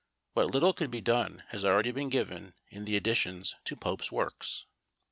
What little could be done has already been given in the additions to Pope's works.